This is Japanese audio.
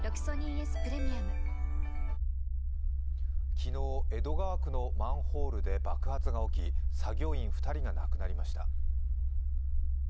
昨日、江戸川区のマンホールで爆発が起き作業員２人が亡くなりました。